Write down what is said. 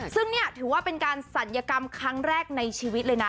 ซึ่งนี่ถือว่าเป็นการศัลยกรรมครั้งแรกในชีวิตเลยนะ